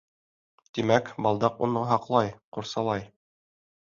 Тимәк, балдаҡ уны һаҡлай, ҡурсалай.